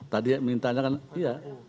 tadi yang minta kan iya